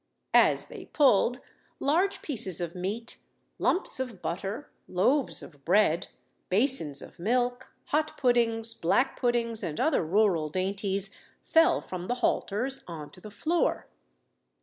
As they pulled, large pieces of meat, lumps of butter, loaves of bread, basins of milk, hot puddings, black puddings, and other rural dainties, fell from the halters on to the floor.